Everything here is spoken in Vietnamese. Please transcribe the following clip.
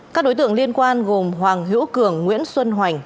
các đối tượng liên quan gồm hoàng hữu cường nguyễn xuân hoành